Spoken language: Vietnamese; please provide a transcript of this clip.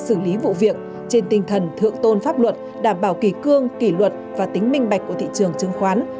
xử lý vụ việc trên tinh thần thượng tôn pháp luật đảm bảo kỳ cương kỳ luật và tính minh bạch của thị trường chứng khoán